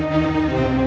beliau pengemar ini